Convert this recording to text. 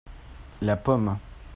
La pomme.